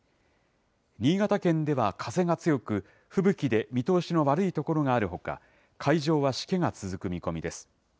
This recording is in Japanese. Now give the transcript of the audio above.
新潟県では風が強く、吹雪で見通しの悪い所があるほか、海上はしけが続く見込みです。